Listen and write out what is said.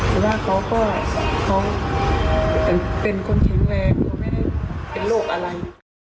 ค่ะแต่ว่าเขาก็เป็นคนถึงแรงไม่ได้เป็นโรคอะไร